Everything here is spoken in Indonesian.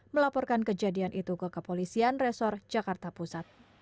melaporkan kejadian itu ke kepolisian resor jakarta pusat